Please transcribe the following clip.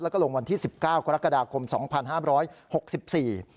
แล้วก็ลงวันที่สิบเก้ากรกฎาคมสองพันห้ามร้อยหกสิบสี่